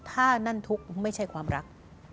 ถ้านั่นทุกข์ไม่ใช่ความรัก